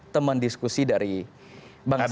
teman diskusi dari bang sandi